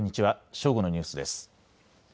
正午のニュースです。